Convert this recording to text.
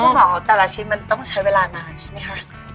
เพราะว่าคุณหมอแต่ละชิ้นมันต้องใช้เวลานานใช่ไหมคะ